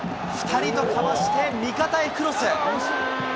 １人、２人とかわして、味方へクロス。